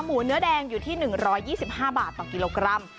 หมูเนื้อแดงอยู่ที่๑๒๕บาทต่อกิโลกรัม